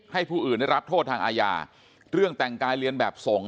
ให้ผู้อื่นรับโทษทางอาญาเรื่องแต่งกายเลียนแบบสงฆ์